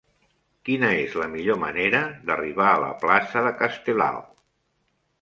Quina és la millor manera d'arribar a la plaça de Castelao?